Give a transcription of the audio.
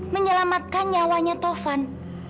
menyelamatkan nyawanya tovan